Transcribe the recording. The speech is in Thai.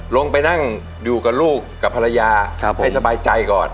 ลงไปนั่งอยู่กับลูกกับภรรยาให้สบายใจก่อน